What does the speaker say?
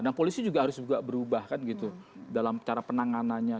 nah polisi juga harus juga berubah kan gitu dalam cara penanganannya